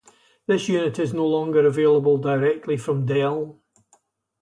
This unit is no longer available directly from Dell.